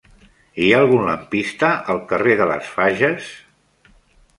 Hi ha algun lampista al carrer de les Fages?